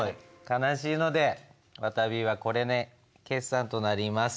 悲しいのでわたびはこれで決算となります。